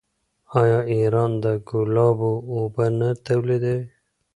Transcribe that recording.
آیا ایران د ګلابو اوبه نه تولیدوي؟